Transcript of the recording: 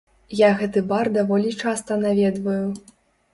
Я гэты бар даволі часта наведваю.